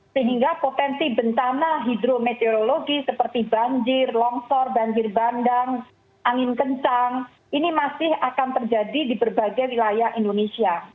sehingga potensi bencana hidrometeorologi seperti banjir longsor banjir bandang angin kencang ini masih akan terjadi di berbagai wilayah indonesia